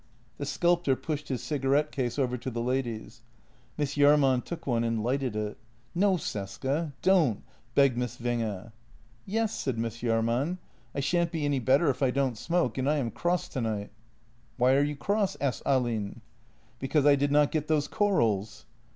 The sculptor pushed his cigarette case over to the ladies. Miss Jahrman took one and lighted it. "No, Cesca — don't! " begged Miss Winge. " Yes," said Miss Jahrman. " I shan't be any better if I don't smoke, and I am cross tonight." " Why are you cross? " asked Ahlin. " Because I did not get those corals."